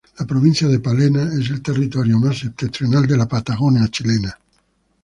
La provincia de Palena es el territorio más septentrional de la Patagonia chilena.